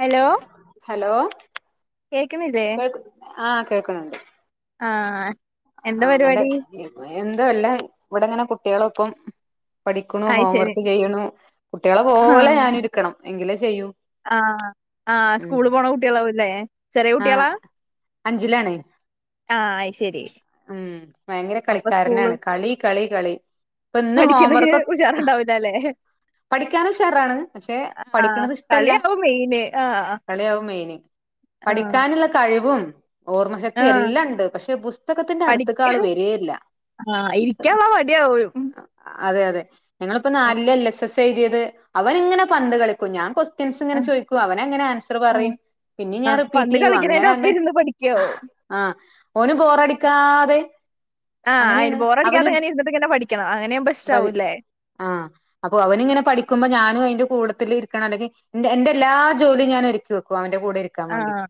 Hello hello കേക്ക്ണില്ലേ കേൾക്ക് ആഹ് കേൾക്കണണ്ട് ആഹ് എന്താ ആഹ് നല്ലെ പരിപാടി എന്ത അല്ല ഇവിടെ ഇങ്ങനെ കുട്ടികളൊപ്പം പഠിക്ക്ണു അയ് ഹോം ശരി വർക്ക് ചെയ്യണു കുട്ടികളെ പോലെ ആഹ് ഞാനിരിക്കണം എങ്കിലെ ചെയ്യൂ. ആഹ് ആഹ് ഉം സ്കൂള് പോണ കുട്ടികളാവും ഇല്ലെ ആഹ് അഞ്ചിലാണ് ആഹ് അയ് ശരി ഉം ഭയങ്കര അപ്പൊ സ്കൂള് കളിക്കാരനാണ് കളി കളി കളി ഇപ്പോ ഇന്നു പഠിക്കണേന് ഹോംവർക്കൊക് ഉഷാറുണ്ടാവൂലല്ലേ പഠിക്കാനുഷാറാണ്. പക്ഷെ ആഹ് പഠിക്കണത് ഇഷ്ടല്ല കളിയാവും മെയിന് ആഹ് കളിയാവും മെയിന്. ആഹ് പഠിക്കാനുള്ള കഴിവും ഓർമ്മ ശക്തി ആഹ് എല്ലാം ഉണ്ട്. പക്ഷെ പുസ്തകത്തിന്റെ അടുത്തക്ക ആള് വരെ ഇല്ല ആ ഇരിക്കാവാ മടിയാവും അതെ അതെ ഞങ്ങളിപ്പോ ആഹ് നാലില് എൽ എസ് എസ് എഴുതിയത് അവനിങ്ങനെ പന്ത് കളിക്കും ഞാൻ കൊസ് സ്റ്റിയൻസ് ആഹ് ചോയ്ക്കും അവന ങ്ങനെ ആൻസർ ആഹ് പറയും പിന്നിം ഞാൻ ആഹ് റിപ്പീറ്റ് പണ്ട് ചെയ്യും അങ്ങനെ കളിക്കണേന്റെ ഒപ്പം അങ്ങനെ ഇരുന്ന് പഠിക്കാവും ആ ഓന് ബോറടിക്കാതെ ആഹ് അയിന് അങ്ങനെയാണ് അവന് ബോറടിക്കാത്ത ഞാന ഇരുന്നിട്ടിങന്നെ പഠിക്കണം അങ്ങനെ പതി ഇഷ്ടാവൂല്ലേ ആഹ് അപ്പൊ അവനിങ്ങനെ പഠിക്കുമ്പോ ഞാനും അതിന്റെ കൂടത്തിലിരിക്കണം അല്ലെങ്കി എന്റ എന്റെ എല്ലാ ജോലിയും ഞാൻ ഒരുക്കി വെക്കും അവന്റെ കൂടെ ഇരിക് ആഹ്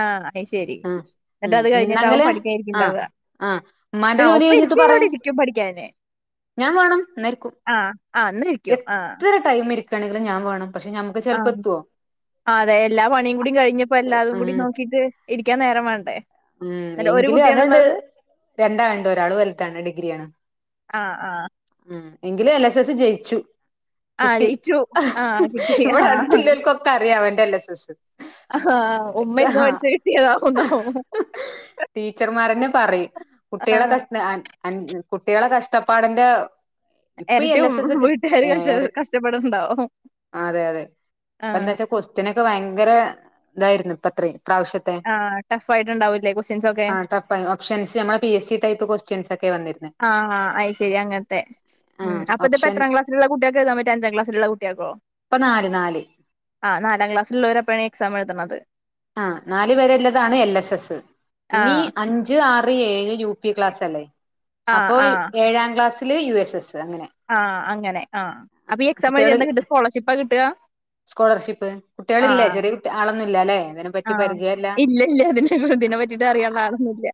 ആഹ് അയ്ശരി ആഹ് ന്നിട്ട് ഉം അത് കഴിഞ്ഞിട്ടാവും നിന്നെങ്കില് ആഹ് പഠിക്കാനിരിക്കണ്ടാവ ആഹ് ഉമ്മാന്റെ ജോലി കഴിഞ്ഞിട്ട് പറേ പഠിക്കാന് ഞാൻ വേണം ന്നഇരിക്കും ആഹ് ആഹ് ന്നരി എത്ര ടൈം ഇരിക്കയാണെങ്കിലും ഞാൻ വേണം പക്ഷെ ഞമക് ആഹ് അതെ എല്ലാ പണിയും കൂടി കഴിഞ്ഞപ്പോ എല്ലാതും ഉം കൂടി നോക്കീട്ട് ഇരിക്കാനേരം വേണ്ടേ ഉം എന്നിട്ട് ഒരു എങ്കിലും അതട് കുട്ടിയാണുള്ളത് രണ്ടാള്ണ്ട് ഒരാള് വലുതാണ് ഡിഗ്രിയാണ് ആഹ് ആഹ് ഉം എങ്കിലും എൽ എസ് എസ് ജയിച്ചു ആഹ് കിട്ടി ജയിച്ചു ആഹ് കിട്ടി ഇവിടെ ആഹ് അടുത്തില്ലോർക്കൊക്കെ അറിയ അവന്റെ എൽ എസ് എസ് ആഹ് ഉമ്മ ഇരുന്ന് ആഹ് പഠിച്ചു കിട്ടിയതാവുന്നാവും ടീച്ചർമാരന്നെ പറയും കുട്ടികളെ ആഹ് കഷ കുട്ടികളെ കഷ്ടപ്പാടിന്റെ ഇപ്പൊ ഈ എരട്ടി എൽ എസ് എസ് കിട് വീട്ടുകാര് എ കഷ്ട റെ കഷ്ടപ്പെടുന്നുണ്ടാവും അതെ അതെ ഇപ്പ ആഹ് എന്താച്ചാ കൊസ്ട്യനൊക്കെ ഭയങ്കര ഇതായിരുന്നു ഇപ്പത്രെ ഇപ്രാവശ്യത്തെ ആഹ് ടഫായിടുണ്ടാവൂല്ലേ കൊസ്റ്റഽൻസ് ഒക്കെ ആഹ് ടഫ് ഓപ്ഷൻസ് നമ്മെ ബി എസി ടൈപ്പ് കൊസ്ട്യൻസ് ഒക്കെ വന്നിരുന്നെ ആഹ് ആഹ് അയി ശരി അങ്ങനത്തെ ഉം ആഹ് അപ്പ ഇത്പ്പോ ഓപ്ഷൻ എത്രാ ക്ലാസിലുള്ള കുട്ടിയകൾക്ക എഴുതാപറ്റാ അഞ്ചാം ക്ലാസിലുളള കുട്ടികൾക്കോ ഇപ്പൊ നാല് നാല് ആഹ് നാലാം ക്ലാസ്സിലള്ളവരപ്പഴേ എക്സാം എഴുതുന്നത് ആഹ് നാല് വരെള്ളതാണ് എൽ എസ് എസ് ഇനി ആഹ് അഞ് അഞ്ച് ആറ് ഏഴ് യു പി ക്ലാസ് അല്ലേ ആഹ് അപ്പോ ആഹ് ഏഴാം ക്ലാസ്സില് യു എസ് എസ് അങ്ങനെ ആഹ് അങ്ങനെ ആഹ് അപ്പ ഈ എക്സാം എഴുതിയ കുട്ടികള് എന്താ കിട്ട സ്കോളർഷിപ്പാ കിട്ടാ സ്കോളർഷിപ്പ് കുട്ടികളില്ലേ ആഹ് ചെറിയ കുട്ടി ആളൊന്നുല്ല ലെ അന്നേരം ആഹ് ഇല്ല ഇല്ല അതിനെ പറ്റിട്ട് അറിയാനുള്ള ആളൊന്നുംല്ല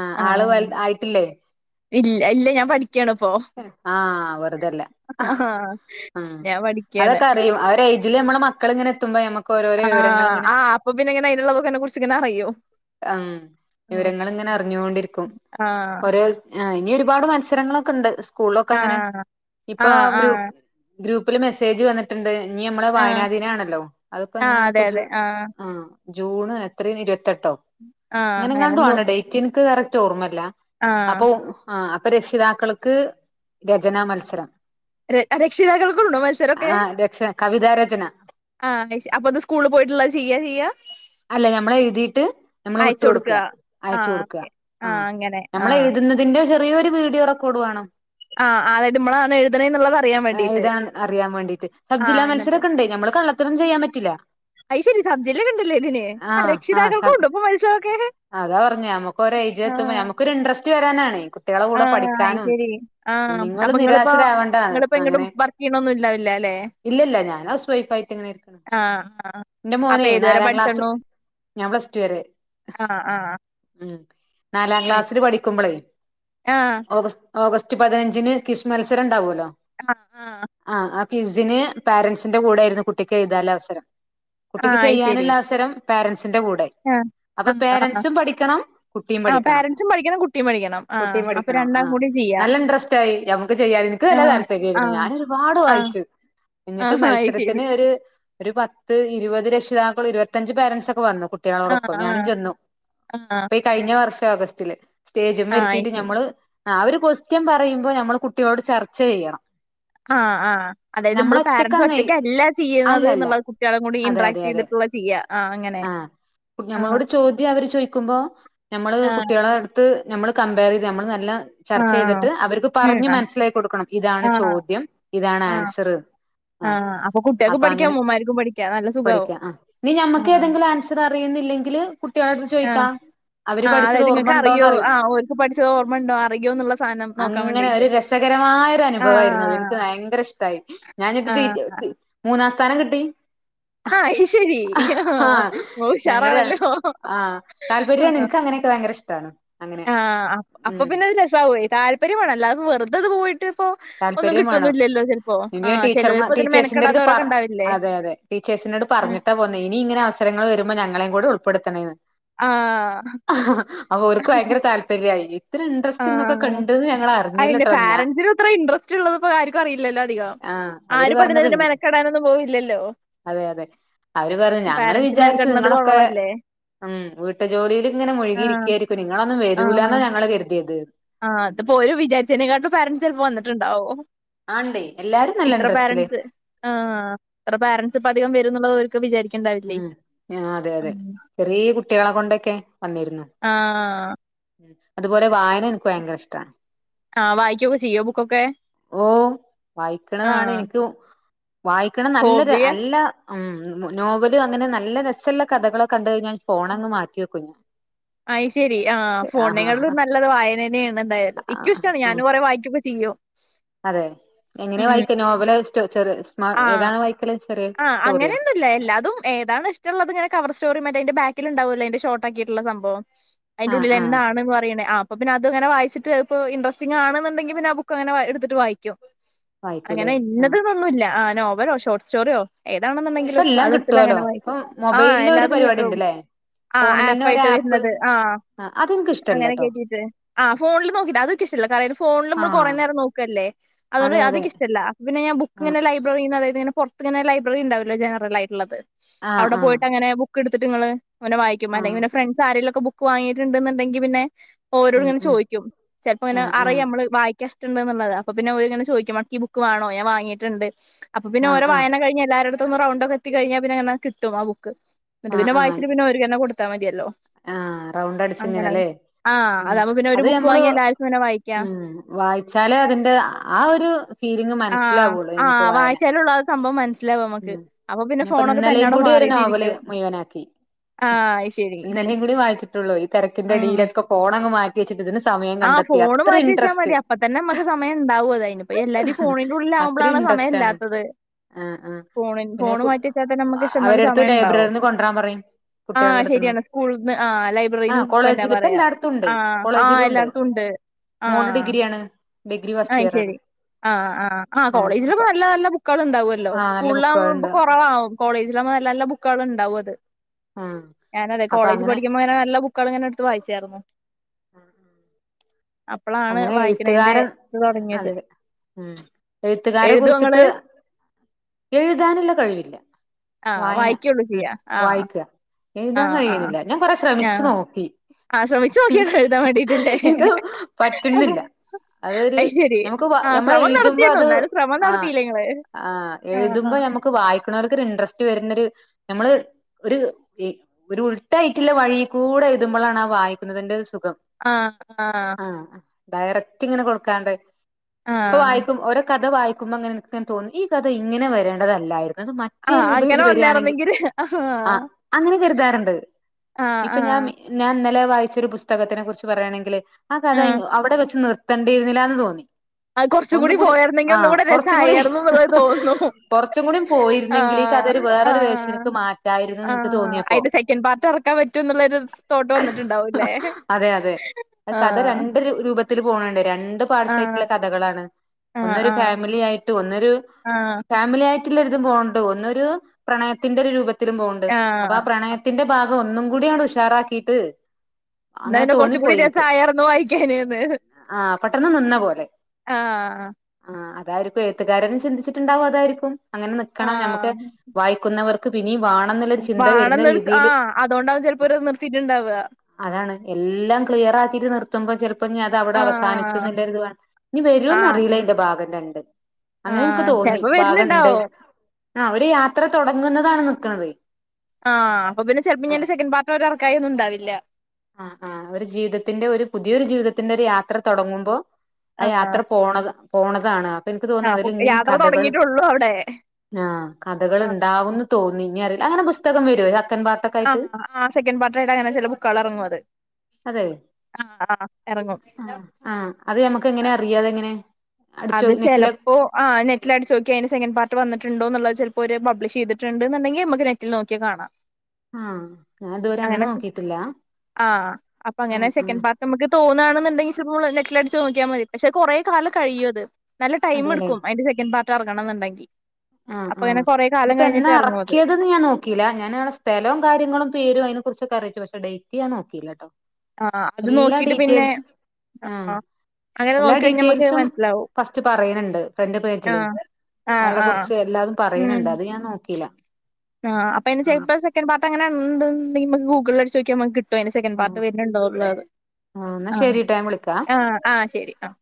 ആഹ് ആള് വൽത് ആയിട്ടില്ലേ ഇല്ല ഇല്ല ഞാൻ പഠിക്ക ആഹാ വെർതല്ല ആഹ് മ് ഞാൻ പഠിക്കാണ് അതൊക്കെ അറിയും ആ ഒരു എയ്ജ് ല് നമ്മളെ മക്കള്ങ്ങെനെ എത്തുമ്പെ ആഹ് ആ അപ്പ പിന്നെങ്ങനെ അയിനെള്ളതൊക്കെന്നെ കുറിച്ചിങ്ങനെ അറിയും അം ഉം വിവരങ്ങള്ങ്ങെനെ അറിഞ്ഞോണ്ടിരിക്കും ആഹ് ഓരോ ദി ആ ഇനിയൊരുപാട് മത്സരങ്ങളൊക്കെണ്ട് സ്കൂൾലൊക്കെ അങ്ങനെ ആഹ് ഇപ്പൊ ആഹ് ഗ്രൂപ്പ് ആഹ് ൽ മെസേജ് വന്ന് ട്ട്ണ്ട് ഇഞമ്മളെ ആഹ് വായനാ ദിനാണല്ലോ അത്പ്പൊ ആഹ് അതെ എാന്നാണ്പ്പം അതെ ജൂൺ ആഹ് ജൂണ് എത്രേനി ഇരുവത്തെട്ടോ? ആഹ് അങ്ങനെങ്ങാണ്ടു അങ്ങനെന്തോ ആണ് ഡെയ്റ്റ് ഇൻക്ക് കറക്റ്റ് ഓർമ്മല്ലാ ആഹ് അപ്പൊ ആ അപ്പൊ രക്ഷിതാക്കൾക്ക് രചനാ മത്സരം ര രക്ഷിതാക്കൾക്കുണ്ടോ മത്സരൊക്കെ? ആഹ് രക്ഷ കവിതാ രചന ആഹ അയ്ശെ അപ്പൊത് സ്കൂൾ പോയിട്ട്ള്ള ചെയ്യാ ചെയ്യാ? അല്ല ഞമ്മള് എഴുതിയിട്ട് നമ്മള് വിട്ട് അയച്ചൊട്ക്ക കൊടുക്കുക ആ അയച്ചു ഓക്കെ ആഹ് അങ്ങനെ ആഹാ ക്കുന്നതിന്റെ ചെറിയോരു വീഡിയോ റെക്കോഡ് വാണം ആഹ് അതായത് നമ്മളാണ് എഴുതണേന്നുള്ളത് അറിയാൻ അഹ് വേണ്ടീട്ട് ഇതാ അറിയാ വേണ്ടീട്ട് സബ്ജില്ല ആഹ് എന്നിട്ട് മത്സരെക്കെണ്ട് നമ്മള് കള്ള ത്രന്നും ചെയ്യാം പറ്റില്ല അയ്ശെരി സബ്ജില്ലക്കെണ്ട്ലേ ഇതിന് ആ ആ സ രക്ഷിതാക്കൾക്കൂണ്ടോ? ഇപ്പൊ മത്സ അതാ പറഞ്ഞെ നമ്മക്കൊരു എയ്ജിലെത്തുമ്പോ ആഹ് ഞ്ഞമ്മക്കൊരു ഇൻട്രസ്റ്റ് വരാനാണേ കുട്ട്യാളെ കൂടെ ആഹ് അത് പഠിക്കാനും ശരി ആഹ് നിങ്ങള് അപ്പൊ ഇങ്ങളിപ്പോ നിരാശരാവണ്ടാന്ന് ഇങ്ങളിപ്പോ എങ്ങട്ടും അങ്ങനെ വർക്ക് ചെയ്യണൊന്നും ഇണ്ടാവില്ല അല്ലേ ഇല്ലല്ല ഞാൻ ഹൗസ് വൈഫായിട്ട്ങ്ങനെരിക്കാണ് ആഹ് ആഹ് ഇന്റെ അപ്പൊ മോനെ ഏതുവരെ നാലാം ക്ലാസ് പഠിച്ചെണ്ണു ഞ്ഞാം പ്ലസ് ടു വെരെ ആഹ് ആഹാ ഉം നാലാം ക്ലാസ്സില് പഠിക്കുമ്പളേ ആഹ് ഓഗസ് ഓഗസ്റ്റ് പതിനഞ്ചിന് ക്വിസ് മത്സരെണ്ടാവൊല്ലോ? ആഹ് ആഹ് ആഹാ ആ ക്വിസിന് പേരൻസിന്റെ കൂടെയിര്ന്ന് കുട്ടിക്ക് എഴുതാല്ലെ അവസരം കുട്ടിക്ക് ആഹ് അത് ചെയ്യാന്ള്ള ശരി അവസരം പേരൻസിന്റെ കൂടെ ആഹ് അപ്പൊ ആഹാ ആഹാ പേരൻസും പഠിക്കണം കുട്ടിയും ആ പഠിക്കണം പോരൻസും പഠിക്കണം കുട്ടിയും പഠിക്കണം ആഹാ അപ്പൊ ണം രണ്ടാളും ആഹ് കൂടി ചെയ്യാ നല്ല ഇൻട്രസ്റ്റായിരിക്കും ഞമ്മക്ക് ചെയ്യാന് ഇൻക്ക് നല്ല ആഹ് താൽപര്യായിരുന്നു ആഹ് ഞാനൊരുപാട് ആഹ് വായിച്ച് എന്നിട്ട് ആഹ് അത് ശരി മത്സരത്തിന് ഒര് ഒരു പത്ത് ഇരുവത് രക്ഷിതാക്കെളും ഇരുവത്തഞ്ച് പേരൻസൊക്കെ വന്നു ആഹ് കുട്ടിയളോടൊപ്പം ഞാനും ആഹ് ചെന്നു ആഹ് ഇപ്പെയീ കഴിഞ്ഞ വർഷം ഓഗസ്റ്റില് സ്റ്റേജുമ്മേ ആഹ് അത് ഇര്ത്തീട്ട് ശരി ഞമ്മള് ആഹ് അവര് കൊസ്റ്റ്യൻ പറയുമ്പോ ഞമ്മള് കുട്ടികളോട് ചർച്ച ചെയ്യണം ആഹ് ആഹ് അതായത് നമ്മള് പേരൻസ് ഒറ്റയ്ക്കല്ല ചെയ്യ്ണെത് അല്ലല്ല ന്നുള്ളത് കുട്ട്യാളിം കൂടി അതെ അതെ ഇൻട്രാക്റ്റ് അതെ ചെയ്തിട്ടെള്ളെ ചെയ്യാ ആ അങ്ങനെ ആഹ് കു ആഹ് ഞമ്മളോട് ചോദ്യം അവര് ചോയിക്കുമ്പോ ഞമ്മള് ആഹ് കുട്ടിയളെട്ത്ത് ഞമ്മള് കമ്പയറെയ്ത് ഞമ്മള് നല്ല ചർച്ച ആഹ് ചെയ്ത്ട്ട് അവർക്ക് ഉം പറഞ് മനസ്സിലാക്കി കൊടുക്കണം ഇതാണ് ആഹ് ആഹ് ചോദ്യം ഇതാണ് ആഹ് ആൻസെറ്ന്ന് ആഹ് അപ്പൊ കുട്ടികൾക്കും പഠിക്കാം അപ്പങ്ങനെ അമ്മൂമാർക്കും പഠിക്കാം നല്ല സുഖാവും പഠിക്കാ ആഹ് ഇഞ് ഞമ്മക്ക് ആഹ് ഏതെങ്കിലും ആൻ സറ് അറിയുന്നില്ലെങ്കില് കുട്ടിയളട്ത്ത് ആഹ് ചോയ്ക്കാം ആഹ് അതായത് ഇങ്ങക്ക് അറിയോ ആ ഓര്ക്കും പഠിച്ചതോർമണ്ടോ അറിയോന്നുള്ള സാധം നോക്കാൻ വേണ്ടി പിന്നെ ഒരു രസകരമായ ഒരു അനുഭവായിരുന്നു അത് ഇൻക്ക് ഭയങ്കര ഇഷ്ടയി ഞാനിത് ടീ ആഹ് ടീച്ച മൂന്നാം സ്ഥാനം കിട്ടി ആഹ് അയ്ശെരി ഇങ്ങള് ആ ഞങ്ങള് ഉഷാറാണല്ലോ ആഹ് ഇക്കങ്ങനൊക്കെ ഭയങ്കരെഷ്ടാ ആഹ് അപ്പൊ പിന്നെ ഇത് രസാവുവേ താല്പര്യ വേണം അല്ലാതെ വെറ്തെത് കൂടിട്ട് പ്പൊ ഒന്നും താല്പര്യം വേണം കിട്ടൊന്നുല്ല്യല്ലോ ചെൽപ്പോ ഇനി ഞാൻ ആഹാ ടീച്ചർമാർ ചെലോലിപ്പതിന് മെനക്കെടാത്തോരൊക്കെണ്ടാവില്ലേ? ടീചേഴ്‌സിനോട് പറഞ്ഞിട്ട പോന്നെ ഇനി ഇങ്ങനെ അവസരങ്ങള് വരുമ്പോ ഞങ്ങളെയും കൂടെ ഉൾപ്പെടുത്തണേന്ന് ആഹ് അപ്പൊ ഒർക്ക് ഭയങ്കര താല്പര്യഅയിന് ഒര് ഇൻടറസ്റ്റ് ഇങ്ങക്കൊക്കെ ഇണ്ടത് ഞങ്ങളഅറിഞ്ഞില്ല ട്ടോ ഞ ഇത് ഇത്രയും ഇൻട്രസ്റ്റ് റ്റ്ള്ളത് ഇപ്പൊ ആര്ക്കും അറിയില്ലല്ലോ അധികം ആ അവര് പറഞ്ഞത് ആരുംപ്പതിന് മെനക്കെടാനൊന്നും പോവില്ലല്ലോ അതെ അതെ അവര് പറഞ്ഞു ഞങ്ങള് പാരൻറ്സ് വിചാരിച്ച് മെനക്കെടുന്നത് നിങ്ങളൊക്കെ കൊറവല്ലേ ഉം വീട്ട് ജോലിയി ഇങ്ങനെ ആഹ് മുഴുകിയിരിക്കയായിരിക്കും നിങ്ങളൊന്നും ആഹ് വരൂലാന്നാ ഞങ്ങള് കരുതിയത് ആഹ് അതിപ്പോ ഒര് വിചാരിച്ചതിനെക്കാട്ടും പാരൻറ്സ് ചിലപ്പോ വന്നിട്ടുണ്ടാവോ ആണ്ടേ എല്ലാരും നല്ല ഇത്ര ഇൻട്രസ്റ്റില് പോരൻറ്സ് ആഹ് ഇത്ര പോരൻറ്സ് ഇപ്പ അധികം വരു എന്നള്ളത് അവ ക്ക് വിചാരിക്കണ്ടാവില്ലേ ഉം ആ അതെ ഉം അതെ ചെറിയ കുട്ടികളെകൊണ്ടൊക്കെ വന്നിരുന്നു ആഹ് അതുപോലെ വായന എനിക്ക് ഭയങ്കര ഇഷ്ടാ ആഹ് വായിക്കൊക്കെ ചെയ്യോ ബുക്കൊക്കെ ഓ വായിക്കണതാണ് ആഹ് എനിക്കും വായിക്കണം നല്ലൊരു ഹോബിയ നല്ല ഉം നോവലും അങ്ങനെ നല്ല രസഉള്ള കഥകളക്കെ കണ്ട് കഴിഞ്ഞ ഫോണങ്ങ് മാറ്റിവെക്കും ഞ അയി് ശരി ആ ഫോണങ്ങളും നല്ലത് വായന തനെയാണ് എന്തായാലും ആ, എിക്കും ഇഷ്ടാണ് ഉം ഞാൻ കൊറെ വായിക്കൊക്കെ ചെയ്യോ അതെ എങ്ങനെ വായി നോവലോ സ്റ്റോ ചെറ സ്മാ ഏതാണ്‌ വായിക്കല് ചെറിയ സ്റ്റോറിയോ ഇല്ല എല്ലാതും ഏതാണ് ഇഷ്ടള്ളത് ഇങ്ങനെ കവർ സ്റ്റോറി മറ്റേ അതിന്റെ ബാക്കിൽ ഉണ്ടാവുല്ലെ അതിന്റെ ഷോർട്ടാക്കിയിട്ടുള്ള സംഭവം. അതിന്റെ ആഹ് ഉള്ളിൽ ആഹ് എന്താണന്ന് പറയണേ ആഹ് അപ്പ പിന്നെ അത്ങ്ങനെ വായിച്ചിട്ട് പ്പൊ ഇൻറസ്റ്റിങ് ആണ്‌ന്നുണ്ടെങ്കിൽ പിന്നെ ബുക്ക് അങ്ങനെ എടുത്തിട്ട് വായിക്കും. വായിക്കൂല്ലേ അങ്ങനെ ആഹ് ഇന്നതൊന്നുല്ല ആഹ് നോവലോ ഷോർട്ട് സ്റ്റോറിയോ ഏതാണെന്നുണ്ടെങ്കി ഇപ്പ എല്ലാം അതെടുത്തിട്ട് കിട്ടുവല്ലോ അങ്ങനെ വായിക്കും ഇപ്പം ആഹ് മൊബൈലില് ഒരു എല്ലാതും പരിപാടി കിട്ടും. ഉണ്ടല്ലേ ആഹ് ഫോണിലന്നെ ആപ്പ് ഒരു ആയിട്ട് വരുന്നത് ആഹ് ആഹ് അതിന്ക്ക് ഇഷം അങ്ങനെ കേട്ടിട്ട് ആഹ് ഫോണിൽ നോക്കിട്ട് അതുക്കിഷ്ടല്ല കറയ ഫോണിൽ നമ്മള് കുറേ ആഹ് നേരം നോക്കല്ലേ അതൊണ്ട് അതെ അത് അതെ ഇഷ്ടല്ല അപ്പ പിന്ന ഞാ ആഹ് ബുക്ക്ങ്ങനെ ലൈ.. ലൈബ്രറിൽന്ന് അതായത്ങ്ങനെ പുറത്ത്ങ്ങനെ ലൈബ്രറി ഉണ്ടാവല്ലോ ജനറൽ ആയിട്ടുള്ളത് ആഹ് അവിടെ ആഹ് പോയിട്ട് അങ്ങനെ ബുക്ക് എടുത്തിട്ട്ങ്ങള്ങ്ങനെ വായിക്കും അല്ലെങ്കി ആഹ് പിന്നെ ഫ്രണ്ട്സ് ആരെലൊക്കെ ബുക്ക് വാങ്ങിട്ടുണ്ടുന്നുണ്ടങ്കിൽ പിന്നെ ഓരോടും ഉം ഇങ്ങനെ ഉം ചോദിക്കും ചിലപ്പോ ഇങ്ങനെ ആഹ് അഹ് പ്പയ് ആഹ് നമ്മൾ വായിക്കാഷ്ട്ടണ്ട്ന്നുള്ളത് അപ്പൊ പിന്നെ ഓൽങ്ങന ചോദിക്കും അനക് ഈ ബുക്ക് വണോ ഞാൻ വാങ്ങീട്ടുണ്ട് അപ്പൊ പിന്ന ആഹ് ഓരോ ആഹ് വായന കഴിഞ്ഞ് എല്ലരുടത്തന്ന് റൗണ്ടക്കെ എത്തി കഴിഞ്ഞാ പിന്നെങ്ങനെ കിട്ടും ആഹ് ബുക്ക്. എന്നട്ട് ആഹ് പിന്നെ ആഹ് വായിച്ചിട്ട് പിന്നെ ഒര്ക്ക്ന്നെ കൊടുത്താൽ മതിയല്ലോ. ആഹ് റൗണ്ട് അടിച്ച അങ്ങനെ ഇങ്ങനെല്ലേ ആഹ് ഉം അതാവുമ്പോ പിന്നെ ഒരു ബുക്ക് അത്മ്മള് വാങ്ങി എല്ലാർക്കും ഇങ്ങനെ വായിക്കാം ഉം വായിച്ചാലേ അതിന്റെ ആഹ് ഒരു ഫീലിംഗ ആഹ് മനസ്സിലാവുള്ളൂ നമുക്ക്. ആഹ് വായന വായിച്ചാലുള്ള ആ സംഭവം മനസ്സിലാവും നമ്മക്ക് ഉം അപ്പൊ പിന്നെ ഞ പ്പോ ഫോണൊക്കെ ഇന്നലെയും തന്നോടെ കൂടി ഒരു നോവല് മാറിട്ടിരിക്കും മുഴവനാക്കി. ആഹ് ശരി ഇന്നലേും കൂടി വായിച്ചിട്ടുള്ളോ ഈ തിരക്കിന്റെ ആഹ് ഇടിലൊക്കെ ഫോണങ് മാറ്റി. ക വെച്ചിട്ട ഇതിന് സമയം ആഹ് കണ്ടെത്തി ഫോണ് അത്ര മാറ്റി വെച്ചാ ഇൻട്രസ്റ്റ്. മതി അപ്പ തന്നെ നമ്മക്ക് സമയം ഉണ്ടാവും അത് അയിനിപ്പ എല്ലാരും ഉം ഫോണിന്റെ അത്ര ഉള്ളിലാവുമ്പളാണ് സമയം ഇൻട്രസ്റ്റ് ആണ്. ഇല്ലാത്തത് ആഹ് ആഹ് ഫോണി പിന്നെ ഫോണ് കുത് മാറ്റി വെച്ചാ തന്നെ നമ്മക്ക് ഇഷ്ടം പോലെ അവരടുത്ത് സമയം ഉണ്ടാവും ലൈബ്രറിൽന്ന് കൊണ്ടരാൻ പറയും. കുട്ടികളുടെ അടുത്തന്ന്. സ്കൂളന്ന് ആഹ് ലൈബ്രറിന്ന് ബുക്ക് കൊണ്ടുരാൻ പറയാ എല്ലായിടത്തും ആഹ് ആഹ് എല്ലായിടത്തും ഉണ്ട്. മോള ആഹ് ഡിഗ്രി ആണ് ഡിഗ്രി ഫസ്റ്റ് അയ് ഇയർ ആണ്. ശരി ആഹ് ആഹ് ആഹ് കോളേജിലപ്പോ നല്ല നല്ല ബുക്കുകൾ ഉണ്ടാവുമല്ലോ ആഹ് നല്ല സ്കൂളിൽ ആവുമ്പൊ ബുക്കുകളുണ്ട് കുറവാകും. കോളേജിൽ നല്ല നല്ല ബുക്കുൾ ഉണ്ടാവും അത് ഉം ഞാനതെ അപ്പൊ കോളേജ് അങ്ങനെ പഠിക്കുമ്പോങ്ങനെ നല്ല. ബുക്കളങ്ങെ എടുത്ത് വായിച്ചായിരുന്നു. അപ്പളാണ് അങ്ങനെ വായിക്കണേന്റെ എഴുത്തുകാരൻ ഇത് തുടങ്ങിയത് അത്. ഉം എഴുത്തുകാരെ എഴുതുവോ കുറിച്ചിട്ട് ഇങ്ങള് എഴുതാനുള്ള കഴിവില്ല. ആഹ് വായന വായിക്കുള്ളൂ ഉം ചെയ്യാ ആഹ് വായിക്കുക. എഴുതാൻ ആഹ് ആഹ് കഴിയണില്ല ഞാൻ കൊറെ ശ്രമിച്ചു ആഹ് നോക്കി ആഹ് ശ്രമിച്ച് എനിക്ക് നോക്കിയല്ലേ എഴുതാൻ വേണ്ടീട്ട് ഇല്ലേ എനിക്ക് പറ്റുന്നില്ല അതൊരു അയ് ശെരി നമുക്ക് ആഹ് നമ്മളെ ശ്രമം എഴുതുമ്പോ നടത്തിയല്ലോ അത് എന്നാലും ശ്രമം ആഹ് നടത്തിയില്ലേ ഇങ്ങള് ആഹ് ആഹ് എഴുതുമ്പോ നമ്മുക്ക് വായിക്കണോർക്ക് ഒരു ഇൻട്രസ്റ്റ് വര്ണൊരു നമ്മള് ഒരു ഇ ഒരു ഉൾട്ടായിട്ടുള്ള വഴി കൂടെ എഴ്‌തമ്പൊളാണ് ആ വായിക്കുന്നതിന്റെ ഒരു സുഖം. ആഹ് ആഹ് ആഹ് ഡയറക്റ്റ് ഇങ്ങനെ കൊടുക്കാണ്ട് ആഹ് ഇപ്പ ആഹ് വായിക്കും ഓരോ കഥ വായിക്കുമ്പോ ഇങ്ങനേണ് [unintelligible] തോന്നും ഈ കഥ ഇങ്ങനെ വരേണ്ടതല്ലായിരുന്നു അത് മ റ്റേ ആഹ് രൂപത്തില് അങ്ങനെ വരുകാണെങ്കി വന്നായിരുന്നെങ്കില് ആഹ് അങ്ങനെ കരുതാറുണ്ടത് ആഹ് ഇപ്പൊ ആഹ് ഞാമീ ഞാൻ ഇന്നലെ വായിച്ചൊരു പുസ്തകത്തിനെ കുറിച്ച് പറയാണെങ്കില് ആ കഥ ഇൻ ആഹ് അവിടെ വെച്ച് നിർ ത്തൻണ്ടീയിരുന്നില്ല എന്ന് തോന്നി. അത് കൊറച്ചും കുടി ഒന്നും കൂടി പോയരുന്നെങ്കിൽ ഒന്നും ആഹ് കൂടെ രസ കുറച്ചും കൂടി ആയരുന്നു എന്നുള്ളത് തോന്നുന്നു. കുറച്ചും കൂടി പോയിരുന്നെങ്കിൽ ഈ കഥ ഒരു ആഹ് വേറൊരു ആഹ് വേർഷനിക്ക് മാറ്റായിരുന്നുന്ന് എനിക്ക് ആഹ് തോന്നിയപ്പോ അയിന്റെ സെക്കൻഡ് പാർട്ട് എറക്കാൻ പറ്റും എന്നുള്ളൊരു തോട്ട് വന്നിട്ടുണ്ടാവുംല്ലേ? അ കഥ രണ്ട് രൂ രൂപത്തില് പോണണ്ട് രണ്ട് ആഹ് പാർട്ട്സായിട്ടുള്ള കഥകളാണ് ആഹ് ഒന്ന് ഒരു ആഹ് ഫാമിലി ആയി ട്ട് ഒന്നൊരു ആഹ് ഫാമിലി ആയിട്ടുള്ള ഒരിതും പോവ്ണ്ട് ഒന്ന് ഒരു പ്രണയത്തിന്റെ ഒരു രൂപത്തിലും പോവ്ണ്ട് അപ്പൊ ആഹ് ആ പ്രണയ ത്തിന്റെ ഭാഗം ഒന്നും കൂടി അങ്ങട് ഉഷാറാക്കീട്ട് എന്നാ അങ്ങനെ പിന്നെ കുറച്ചും കൂടി തോന്നിപ്പോയി എനിക്ക് രസായിരുന്നു വായിക്കാന്ന്ന് ആഹ് പെട്ടെന്ന് നിന്ന പോലെ ആഹ് ആഹ് അതായിരിക്കും എഴുത്തുകാരനും ചിന്തിച്ചിട്ടുണ്ടാവും അതായിരിക്കും അങ്ങനെ നിക്കണം ഞമ്മക്ക് ആഹ് വായി ക്കുന്നവർക്ക് പിന്നേം വാണംന്നുള്ള ഒരു ചിന്ത വരുന്ന വാണം നിർ രീതീല് ആഹ് അതുകൊണ്ടാവും ചെലപ്പോ ഒരു നിർത്തിയിട്ടുണ്ടാവുക അതാണ് എല്ലാം ക്ലിയർ ആക്കീട്ട് നിർത്തുമ്പോ ചെലപ്പോ ഇനി അ ത് അവിട അവസാനിച്ചൂ ആഹ് എന്നുള്ള ഒരു ഇത് വാ ഇനി വരോന്ന് ആഹ് അറിയില്ല അയിന്റെ ഭാഗം രണ്ട് അങ്ങനെ എനിക്ക് ആഹ് തോന്നി ചെലപ്പോ ഭാഗണ്ട് വരുന്നുണ്ടാവും ആഹ് അവര് യാത്ര തൊടങ്ങുന്നതാണ് നിർത്തണതേ ആഹ് അപ്പൊ പിന്നെ ചെലപ്പം ഇനി അതിന്റെ സെക്കൻഡ് പാർട്ട് ഓര് എറക്കായി ഒന്നും ഉണ്ടാവില്ല ആഹ് ആഹ് ഓര ജീവിതത്തിന്റെ ഒരു പുതിയൊരു ജീവിതത്തിന്റെ ഒരു യാത്ര തൊടങ്ങുമ്പോ ആ ആഹ് യാത്ര പോണത് പോണതാണ് അപ്പം എനിക്ക് ആ തോന്ന്ന്നത് അപ്പൊ അതില് ഇന്നിയും യാത്ര കഥകള് തുടങ്ങിയിട്ടുള്ളൂ അവിടെ ആഹ് കഥകള് ആഹ് ഇണ്ടാവൂന്ന് തോന്നി ഇനി അറിയൂല അങ്ങന പുസ്തകം വരുവേ സെക്കൻഡ് പാർട്ടൊ ആഹ് ആഹ് സെക്കൻഡ് പാർട്ടായിട്ട് അങ്ങനെ ചെല ബുക്കുകള് എറങ്ങും അതേ അതെ ആഹ് ആഹ് എറങ്ങും ആഹ് ആഹ് അത് ഞമ്മക്ക് എങ്ങനെ അറിയാം അതെങ്ങനെ അടിച്ചോ അത് നെറ്റില ചെലപ്പോ ആഹ് നെറ്റിലടിച്ച് നോക്കിയാ അയിന് സെക്കൻഡ് പാർട്ട് വന്നിട്ടുണ്ടോ എന്നുള്ളത് ചെലപ്പോ ഓരു പബ്ലിഷ് ചെയ്തിട്ട് ഇണ്ട് എന്നുണ്ടെങ്കി നമ്മക്ക് നെ റ്റിൽ നോക്കിയാ കാണാം ആഹ് ഞാൻ ഇതുവരെ അങ്ങനെ ചെ നോക്കിയിട്ടില്ല ആഹ് അപ്പൊ അങ്ങനെ ആഹ് ആഹ് സെക്കന്റ് പാർ നമുക്ക് തോന്നുകാണ് എന്നുണ്ടെങ്കി [unintelligible] നെറ്റിലടിച്ചു നോക്കിയാ മതി പക്ഷെ കൊറേ കാലം കഴിയും അത് നല്ല ടൈം അതെല്ലേ എടുക്കും അയിന്റെ സെക്കൻഡ് പാർട്ട് എറങ്ങണം എന്നുണ്ടെങ്കി അപ്പൊ ഇങ്ങനെ കൊറേ കാലം കഴിഞ്ഞിട്ടേ എറങ്ങു അത് ന്ന് ഞാൻ നോക്കീല ഞാന് അയാള സ്ഥലോം കാര്യങ്ങളും പേരും അതിന കുറിച്ചൊക്കെ അറിയിച്ചു പക്ഷേ ഡേറ്റ് ഞാൻ നോക്കില കേട്ടോ ആഹ് അത് നോക്കീട്ട് പിന്നെ ആഹ് എല്ലാ ഡീറ്റെയിൽസും ഫസ്റ്റ് പറയണ് ണ്ട് ഫ്രണ്ട് ആ പേജിലെ ആ അയാളെ ആ കുറി പക്ഷെ എല്ലാവരും പറയണ് ഉം ണ്ട് അത് ഞാൻ നോക്കീല ആഹ് ആഹ് അപ്പ അയിന് ചെൽപ്പ സെക്കന്റ് പാർട്ട് അങ്ങനെ ഉണ്ട്ന്നുണ്ടെങ്കി അമ്മക്ക് ഗൂഗിളില് അടിച്ചു നോക്കിയാ അമ്മക്ക് കി ട്ടും അയിന് സെക്കൻഡ് പാർട്ട് വരണുണ്ടൊ എന്നുള്ളത് എന്നാ ആഹ് ശരിട്ടോ ഞാൻ വിളിക്കാ ആഹ് ആഹ് ശരി ആഹ്